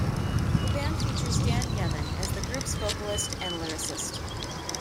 The band features Dan Yemin as the group's vocalist and lyricist.